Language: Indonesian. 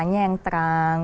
warnanya yang terang